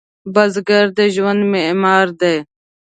بزګر د ژوند معمار دی